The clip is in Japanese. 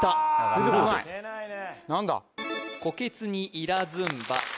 出てこない何だ？